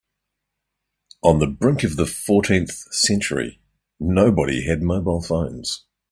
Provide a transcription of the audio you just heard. On the brink of the fourteenth century, nobody had mobile phones.